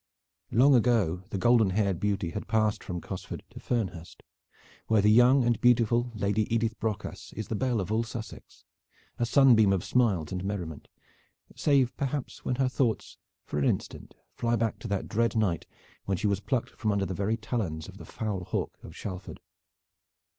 Long ago the golden haired beauty had passed from Cosford to Fernhurst, where the young and beautiful Lady Edith Brocas is the belle of all Sussex, a sunbeam of smiles and merriment, save perhaps when her thoughts for an instant fly back to that dread night when she was plucked from under the very talons of the foul hawk of Shalford.